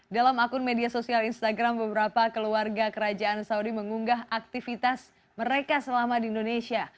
dalam akun media sosial instagram beberapa keluarga kerajaan saudi mengunggah aktivitas mereka selama di indonesia